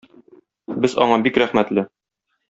Без аңа бик рәхмәтле.